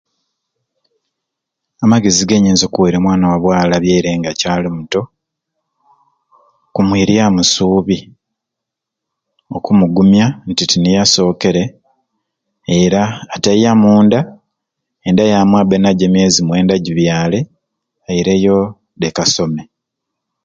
Amagezi genyinza okuwerya omwana wa bwala abyaire nga akyali mutto kumuiryamu subi oku mugumya nti tiniye asokere era atayamu nda, enda yamwei abe nayo emyezi mwenda ajibyale aireyo leke asome.